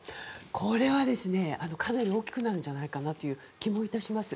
これは、かなり大きくなるんじゃないかという気もします。